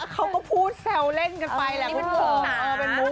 เขาก็พูดแซวเล่นกันไปแหละเพื่อน